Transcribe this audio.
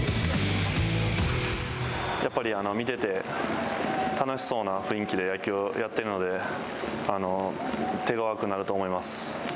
やっぱり見てて、楽しそうな雰囲気で野球をやってるので、手ごわくなると思います。